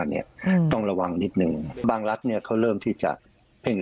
เอาทัวร์บางหน้าเพื่อให้ฉีดวัคซีน